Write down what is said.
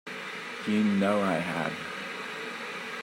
You know I have.